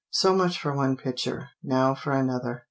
So much for one picture. Now for another.